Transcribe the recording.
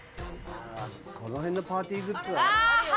この辺のパーティーグッズは。